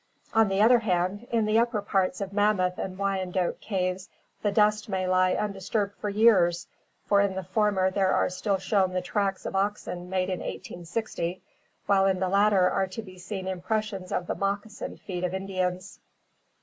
On the other hand, in the upper parts of Mammoth and Wyandotte caves the dust may lie undisturbed for years, for in the former there are still shown the tracks of oxen made in i860, while in the latter are to be seen impressions of the moccasined feet of Indians.